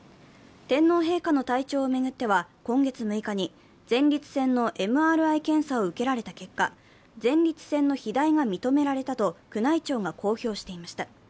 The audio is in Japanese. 天皇陛下の体調を巡っては今月６日に、前立腺のＭＲＩ検査を受けられた結果前立腺の肥大が認められたと宮内庁が公表していました。